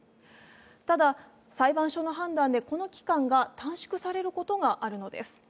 ただ裁判所の判断で、この期間が短縮されることがあるのです。